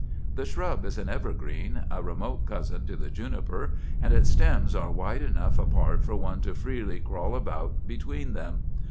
The shrub is an evergreen, a remote cousin to the juniper, and its stems are wide enough apart for one to freely crawl about between them.